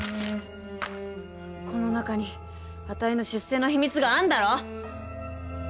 この中にあたいの出生の秘密があんだろ？